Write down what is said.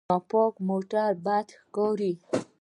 ناپاک موټر بد ښکاري.